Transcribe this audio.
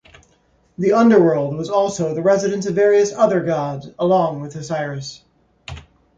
The underworld was also the residence of various other gods along with Osiris.